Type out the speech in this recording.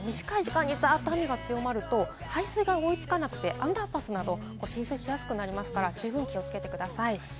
短い時間にざっと雨が強まると排水が追いつかなくて、アンダーパスなど浸水しやすくなりますから十分にお気をつけください。